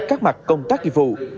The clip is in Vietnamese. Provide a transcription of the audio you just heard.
các mặt công tác dịch vụ